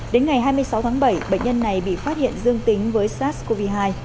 đến ngày hai mươi sáu tháng bảy bệnh nhân này bị phát hiện dương tính với sars cov hai